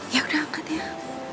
ya udah angkat ya